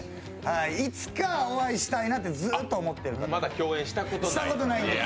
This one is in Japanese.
いつかお会いしたいなとずっと思ってるんです。